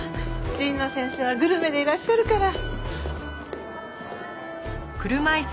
神野先生はグルメでいらっしゃるから。